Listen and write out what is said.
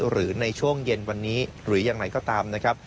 หรือในช่วงเย็นวันนี้หรือยังไงก็ตามนะครับ